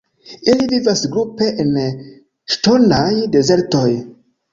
Ili vivas grupe en ŝtonaj dezertoj.